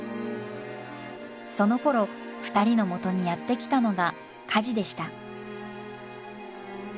そのころ２人のもとにやって来たのがカジでした。